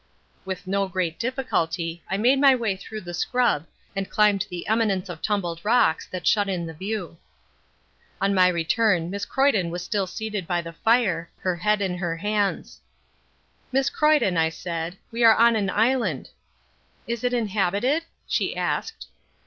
With no great difficulty I made my way through the scrub and climbed the eminence of tumbled rocks that shut in the view. On my return Miss Croyden was still seated by the fire, her head in her hands. "Miss Croyden," I said, "we are on an island." "Is it inhabited?" she asked.